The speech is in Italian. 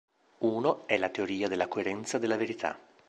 Uno è la teoria della coerenza della verità.